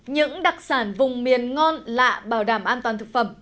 những đặc sản vùng miền ngon lạ bảo đảm an toàn thực phẩm